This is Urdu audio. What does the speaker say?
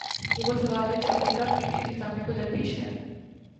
یہ وہ سوال ہے جو امریکہ کی انتظامیہ کو درپیش ہے۔